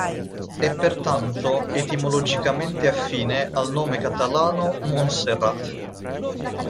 È pertanto etimologicamente affine al nome catalano Montserrat.